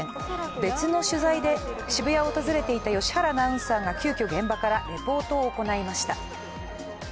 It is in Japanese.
別の取材で渋谷を訪れていた良原アナウンサーが急きょ現場からレポートを行いました。